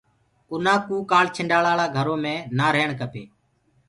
اُنآ ڪوُ ڪآنڇنڊآݪآ ݪآ گھرو مي نآ رهيڻ کپي۔